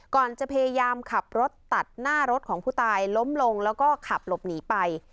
ก่อนจะพยายามขับรถตัดหน้ารถของผู้ตายล้มลงแล้วก็ขับหลบหนีไป